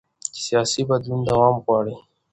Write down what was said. سیاسي بدلون دوام غواړي